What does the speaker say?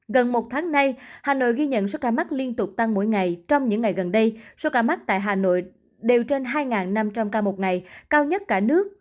gần một tháng nay hà nội ghi nhận số ca mắc liên tục tăng mỗi ngày trong những ngày gần đây số ca mắc tại hà nội đều trên hai năm trăm linh ca một ngày cao nhất cả nước